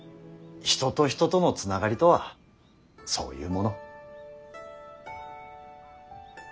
人と人との繋がりとはそういうもの。